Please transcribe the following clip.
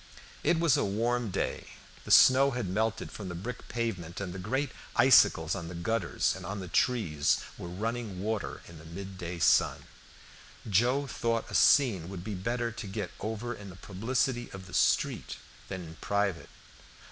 It was a warm day; the snow had melted from the brick pavement, and the great icicles on the gutters and on the trees were running water in the mid day sun. Joe thought a scene would be better to get over in the publicity of the street than in private.